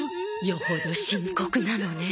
よほど深刻なのね。